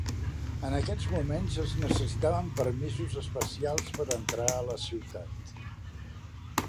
En aquests moments es necessitaven permisos especials per entrar a la ciutat.